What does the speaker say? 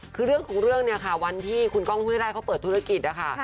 คือเรื่องของเรื่องเนี่ยค่ะวันที่คุณก้องห้วยไร่เขาเปิดธุรกิจนะคะ